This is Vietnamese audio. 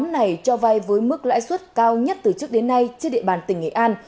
này cho vai với mức lãi suất cao nhất từ trước đến nay trên địa bàn tỉnh nghệ an